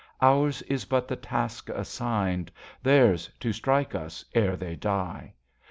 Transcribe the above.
Ours is but the task assigned ; Theirs to strike us ere they die.